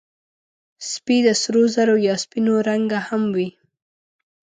سپي د سرو زرو یا سپینو رنګه هم وي.